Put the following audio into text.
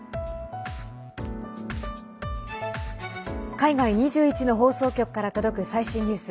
海外２１の放送局から届く最新ニュース。